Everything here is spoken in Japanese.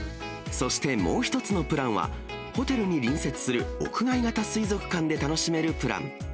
そしてもう一つのプランは、ホテルに隣接する屋外型水族館で楽しめるプラン。